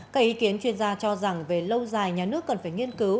các ý kiến chuyên gia cho rằng về lâu dài nhà nước cần phải nghiên cứu